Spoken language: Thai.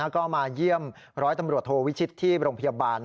ก็มาเยี่ยมร้อยตำรวจโทวิชิตที่โรงพยาบาล